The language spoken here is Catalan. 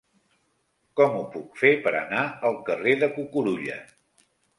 Com ho puc fer per anar al carrer de Cucurulla?